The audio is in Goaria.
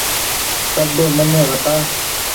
سب مني وتآ ۔